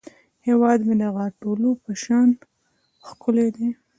هیواد مې د غاټولو په شان ښکلی دی